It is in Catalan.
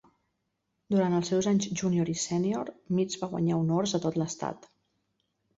Durant els seus anys júnior i sènior, Mitts va guanyar honors a tot l'estat.